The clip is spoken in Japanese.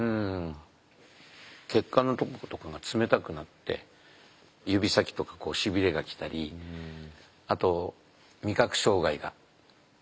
血管のところとかが冷たくなって指先とかしびれがきたりあと味覚障害が。